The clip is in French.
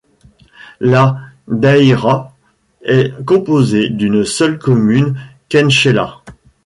La daïra est composée d'une seul commune Khenchela.